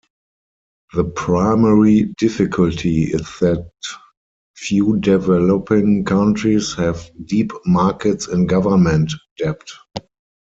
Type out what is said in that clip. The primary difficulty is that few developing countries have deep markets in government debt.